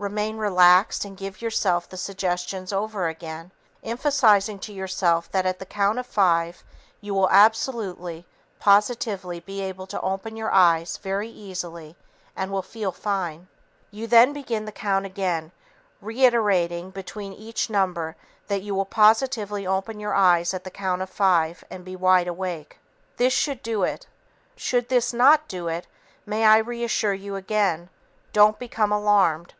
Remain relaxed and give yourself the suggestions over again, emphasizing to yourself that at the count of five you will absolutely, positively be able to open your eyes very easily and will feel fine. You then begin the count again reiterating between each number that you will positively open your eyes at the count of five and be wide awake. This should do it. Should this not do it, may I reassure you again, DON'T BECOME ALARMED.